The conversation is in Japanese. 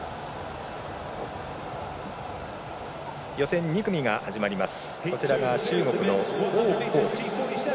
予選２組が始まります。